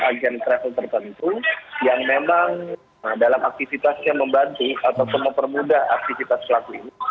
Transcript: apabila memang ada tokno ataupun agen travel tertentu yang memang dalam aktivitasnya membantu atau mempermudah aktivitas pelaku ini